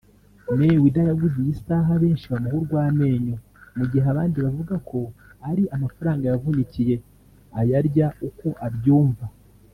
Mayweather yaguze iyi saha benshi bamuha urwamenyo mu gihe abandi bavuga ko ari amafaranga yavunikiye ayarya uko abyumva